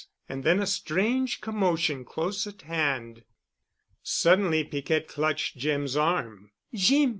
And then a strange commotion close at hand. Suddenly Piquette clutched Jim's arm. "Jeem!"